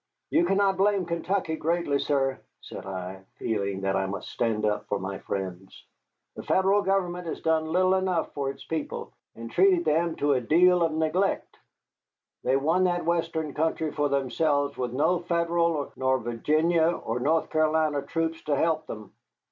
"You cannot blame Kentucky greatly, sir," said I, feeling that I must stand up for my friends. "The Federal government has done little enough for its people, and treated them to a deal of neglect. They won that western country for themselves with no Federal nor Virginia or North Carolina troops to help them.